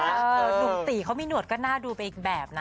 หนุ่มตีเขามีหนวดก็น่าดูไปอีกแบบนะ